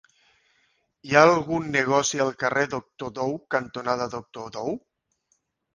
Hi ha algun negoci al carrer Doctor Dou cantonada Doctor Dou?